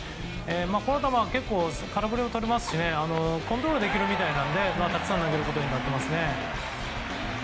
この球、結構空振りもとれますしコントロールできるみたいなのでたくさん投げることになっていますね。